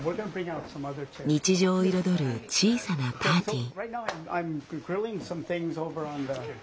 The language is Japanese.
日常を彩る小さなパーティー。